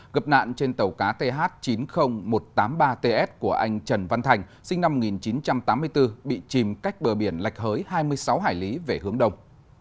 gặp nạn trên tàu cá th chín mươi nghìn một trăm tám mươi ba ts của anh trần văn thành sinh năm một nghìn chín trăm tám mươi bốn bị chìm cách bờ biển lạch hới hai mươi sáu hải lý về hướng đông